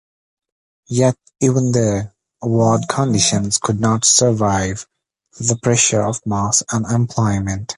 Yet even there, award conditions couldn't survive the pressure of mass unemployment.